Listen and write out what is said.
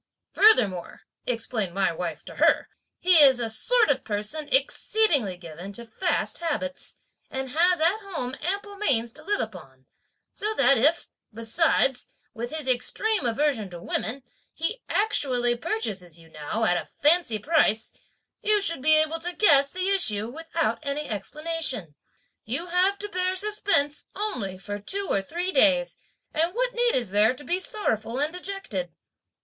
'Furthermore,' (explained my wife to her), 'he is a sort of person exceedingly given to fast habits, and has at home ample means to live upon, so that if, besides, with his extreme aversion to women, he actually purchases you now, at a fancy price, you should be able to guess the issue, without any explanation. You have to bear suspense only for two or three days, and what need is there to be sorrowful and dejected?'